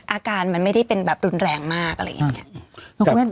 อาการมันไม่ได้เป็นแบบรุนแรงมากอะไรอย่างนี้